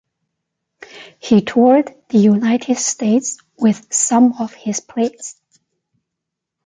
He toured the United States with some of his plays.